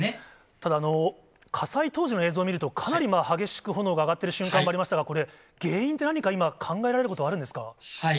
ただ、火災当時の映像をかなり激しく炎が上がっている瞬間もありましたけれども、原因って何か今、考えられることあるんですか？